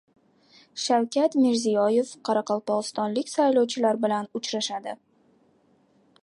Shavkat Mirziyoyev qoraqalpog‘istonlik saylovchilar bilan uchrashadi